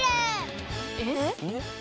えっ？